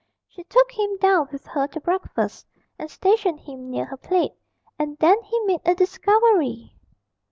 She took him down with her to breakfast, and stationed him near her plate and then he made a discovery.